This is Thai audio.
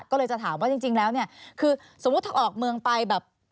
ก็เลยจะถามว่าจริงแล้วเนี่ยคือสมมุติถ้าออกเมืองไปแบบ